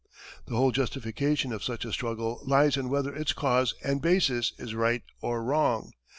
The whole justification of such a struggle lies in whether its cause and basis is right or wrong.